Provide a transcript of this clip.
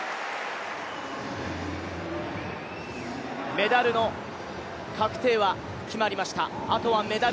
メダルの確定は決まりました。